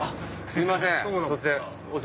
すいません突然。